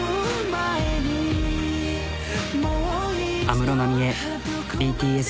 安室奈美恵